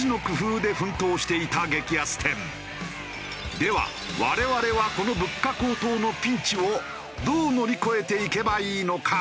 では我々はこの物価高騰のピンチをどう乗り越えていけばいいのか？